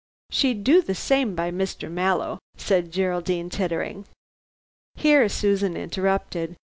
"She'd do the same by Mr. Mallow," said Geraldine, tittering. Here Susan interrupted.